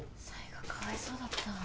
サイがかわいそうだった